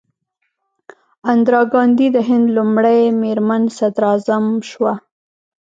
اندرا ګاندي د هند لومړۍ میرمن صدراعظم شوه.